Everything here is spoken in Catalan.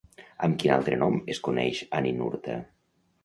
Amb quin altre nom es coneix a Ninurta?